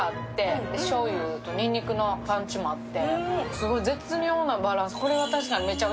すごい絶妙なバランス。